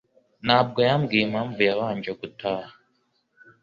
Ntabwo yambwiye impamvu yabanje gutaha